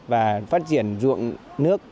và phát triển ruộng nước